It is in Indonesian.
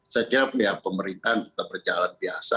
saya kira pemerintahan tetap berjalan biasa